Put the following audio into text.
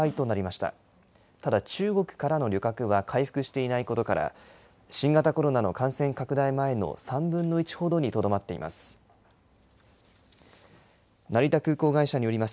ただ中国からの旅客は回復していないことから、新型コロナの感染拡大前の３分の１ほどにとどまっています。